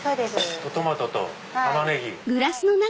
トマトと玉ネギ。